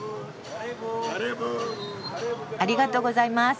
ありがとうございます。